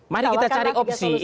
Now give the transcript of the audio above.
mari kita cari opsi